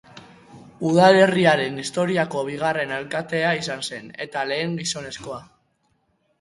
Udalerriaren historiako bigarren alkatea izan zen eta lehen gizonezkoa.